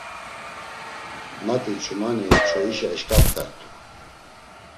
Mati ç̌umani çoyişa eşǩaft̆art̆u.